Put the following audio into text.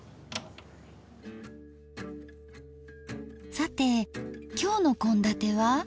さて今日の献立は？